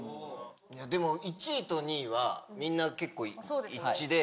でも１位と２位はみんな結構、一致で。